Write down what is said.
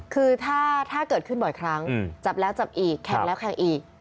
คือถ้าเกิดขึ้นบ่อยครั้งจับแล้วจับอีกแข่งแล้วแข่งอีก